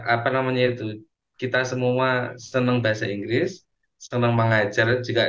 apa namanya itu kita semua senang bahasa inggris senang mengajar juga